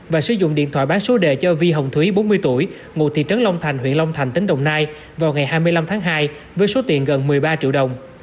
và sử dụng điện thoại bán số đề cho vi hồng thúy bốn mươi tuổi ngụ thị trấn long thành huyện long thành tỉnh đồng nai vào ngày hai mươi năm tháng hai với số tiền gần một mươi ba triệu đồng